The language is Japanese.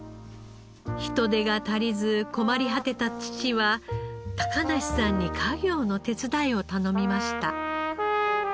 人手が足りず困り果てた父は梨さんに家業の手伝いを頼みました。